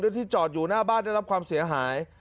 ที่จอดอยู่หน้าบ้านได้รับความเสียหาย